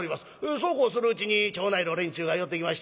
そうこうするうちに町内の連中が寄ってきまして。